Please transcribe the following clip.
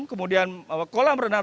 kemudian kolam renang